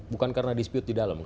bukan karena dispute didalam ngak